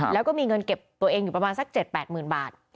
แล้วก็มีเงินเก็บตัวเองอยู่ประมาณสัก๗๘๐๐๐บาท